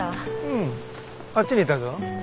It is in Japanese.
うんあっちにいたぞ。